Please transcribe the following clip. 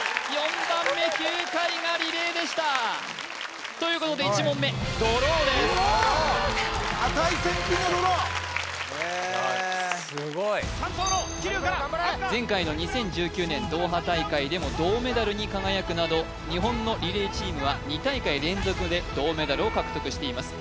４番目９回がリレーでしたということで１問目ドローですすごい前回の２０１９年ドーハ大会でも銅メダルに輝くなど日本のリレーチームは２大会連続で銅メダルを獲得しています